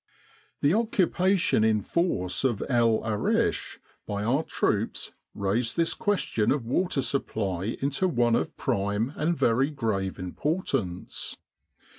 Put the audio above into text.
The occupation in force of El Arish by our troops raised this question of water supply into one of prime and very grave importance.